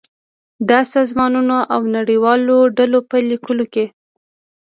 د سازمانونو او نړیوالو ډلو په ليکو کې